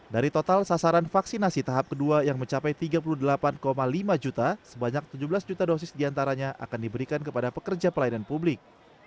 dari total sasaran vaksinasi tahap kedua yang mencapai tiga puluh delapan lima juta sebanyak tujuh belas juta dosis diantaranya akan diberikan kepada pekerja pelayanan publik